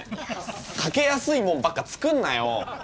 かけやすいもんばっか作んなよ！